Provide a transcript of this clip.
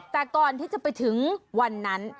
แต่ก่อนที่จะไปถึงวันนั้น